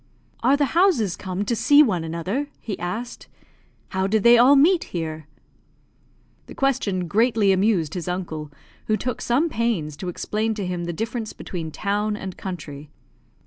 "Are the houses come to see one another?" he asked. "How did they all meet here?" The question greatly amused his uncle, who took some pains to explain to him the difference between town and country.